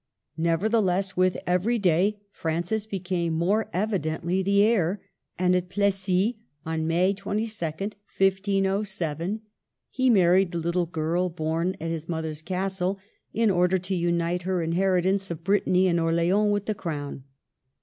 Nevertheless, with every day Francis became more evidently the heir ; and at Plessis, on May 22d, 1507, he married the little girl born at his mother's castle, in order to unite her inheritance of Brittany and Orleans with the crown.